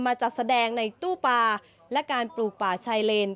จัดแสดงในตู้ปลาและการปลูกป่าชายเลน